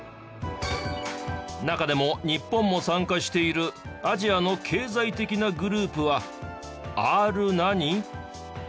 中でも日本も参加しているアジアの経済的なグループはＲ何？